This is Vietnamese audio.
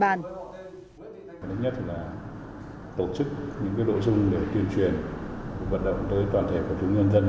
đấy nhất là tổ chức những đội dung để tuyên truyền vận động tới toàn thể của chúng nhân dân